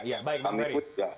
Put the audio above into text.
ya baik bang ferry